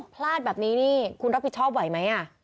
พลาดแบบนี้นี่คุณรับผิดชอบไหวไหม